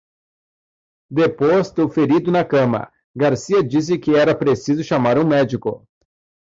Deposto o ferido na cama, Garcia disse que era preciso chamar um médico.